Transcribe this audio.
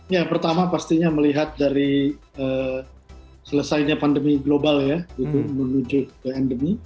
ya pertama pastinya melihat dari selesainya pandemi global ya menuju ke endemi